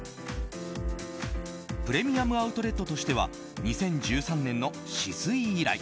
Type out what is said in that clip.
プレミアム・アウトレットとしては２０１３年の酒々井以来